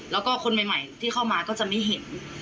แล้วก็คนใหม่ที่เข้ามาก็จะไม่เห็น